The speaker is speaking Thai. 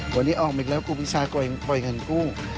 วันนี้ออกอีกแล้วกูพิชาปล่อยเงินกู้